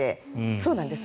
そうなんです。